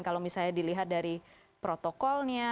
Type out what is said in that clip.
kalau misalnya dilihat dari protokolnya